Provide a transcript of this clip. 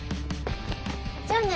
じゃあね。